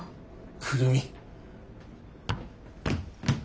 久留美。